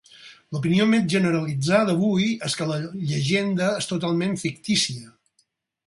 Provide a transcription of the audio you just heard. L'opinió més generalitzada avui és que la llegenda és totalment fictícia.